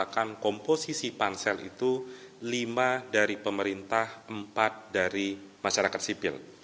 bahkan komposisi pansel itu lima dari pemerintah empat dari masyarakat sipil